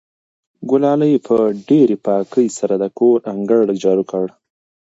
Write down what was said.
ګلالۍ په ډېرې پاکۍ سره د کور انګړ جارو کړ.